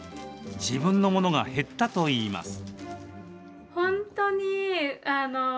自分のものが減ったといいます。